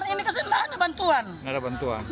ini kasih gak ada bantuan